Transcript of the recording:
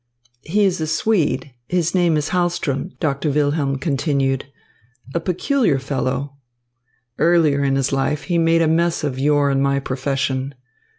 "He is a Swede. His name is Hahlström," Doctor Wilhelm continued. "A peculiar fellow. Earlier in his life he made a mess of your and my profession.